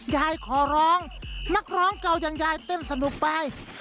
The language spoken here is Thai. ขอร้องนักร้องเก่าอย่างยายเต้นสนุกไป